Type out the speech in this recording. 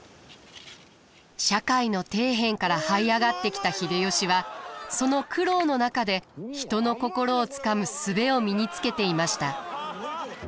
社会の底辺からはい上がってきた秀吉はその苦労の中で人の心をつかむ術を身につけていました。